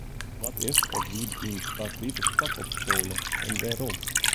Wat is of wie dyn favorite fak op skoalle en wêrom?